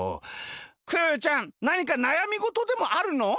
クヨヨちゃんなにかなやみごとでもあるの？